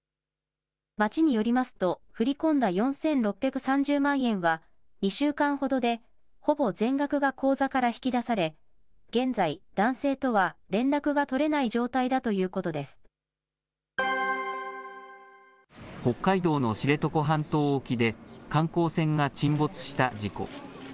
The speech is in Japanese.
町によりますと、振り込んだ４６３０万円は２週間ほどでほぼ全額が口座から引き出され、現在、男性とは連絡が取れない状態だとい北海道の知床半島沖で、観光船が沈没した事故。